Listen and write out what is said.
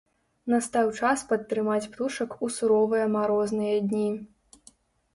Настаў час падтрымаць птушак у суровыя марозныя дні.